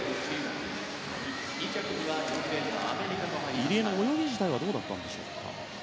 入江の泳ぎ自体はどうだったんでしょうか。